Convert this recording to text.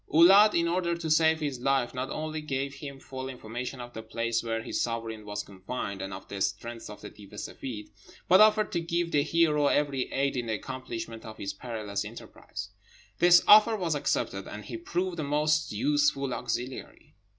Oulâd, in order to save his life, not only gave him full information of the place where his sovereign was confined, and of the strength of the Deev e Seffeed, but offered to give the hero every aid in the accomplishment of his perilous enterprise. This offer was accepted, and he proved a most useful auxiliary.